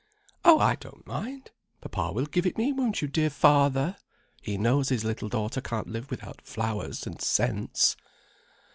"Oh, I don't mind. Papa will give it me, won't you, dear father? He knows his little daughter can't live without flowers and scents."